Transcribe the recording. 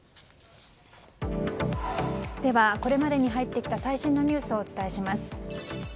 では、これまでに入ってきた最新のニュースをお伝えします。